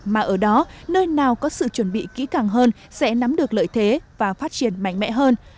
mà ở đó nơi nào có sự chuẩn bị kỹ càng hơn sẽ nắm được lợi thế và phát triển mạnh mẽ hơn